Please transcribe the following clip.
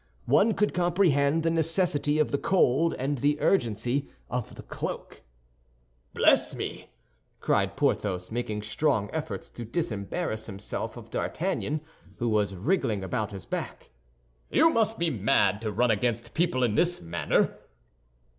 One could comprehend the necessity of the cold and the urgency of the cloak. "Bless me!" cried Porthos, making strong efforts to disembarrass himself of D'Artagnan, who was wriggling about his back; "you must be mad to run against people in this manner."